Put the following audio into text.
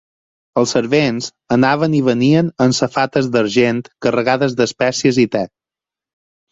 Els servents anaven i venien amb safates d'argent carregades d'espècies i te.